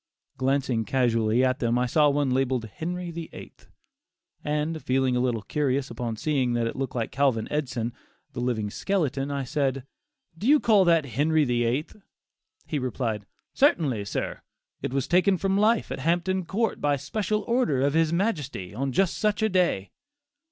Glancing casually at them, I saw one labelled "Henry VIII.," and feeling a little curious upon seeing that it looked like Calvin Edson, the living skeleton, I said: "Do you call that 'Henry the Eighth'?" He replied, "Certainly, sir; it was taken from life at Hampton Court by special order of his majesty, on such a day."